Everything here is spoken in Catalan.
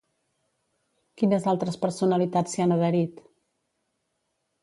Quines altres personalitats s'hi han adherit?